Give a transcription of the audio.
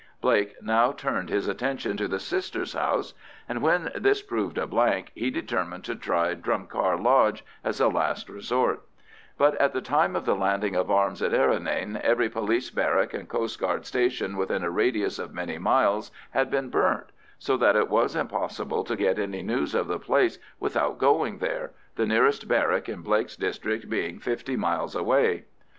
Blake now turned his attention to the sister's house, and when this proved a blank, he determined to try Drumcar Lodge as a last resource; but at the time of the landing of arms at Errinane, every police barrack and coastguard station within a radius of many miles had been burnt, so that it was impossible to get any news of the place without going there, the nearest barrack in Blake's district being fifty miles away.